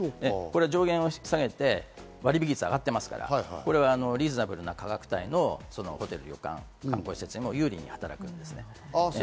上限を下げて割引率は上がってますから、リーズナブルな価格帯とホテル、旅館と施設にも有利に働くんですね。